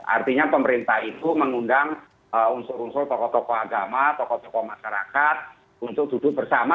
artinya pemerintah itu mengundang unsur unsur tokoh tokoh agama tokoh tokoh masyarakat untuk duduk bersama